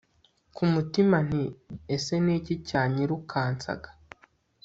kumutima nti ese niki cyanyirukansaga